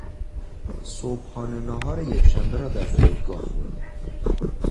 صبحانه - نهار یکشنبه را در فرودگاه خوردیم.